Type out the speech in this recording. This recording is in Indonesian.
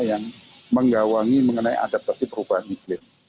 yang menggawangi mengenai adaptasi perubahan iklim